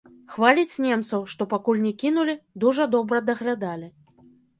Хваліць немцаў, што пакуль не кінулі, дужа добра даглядалі.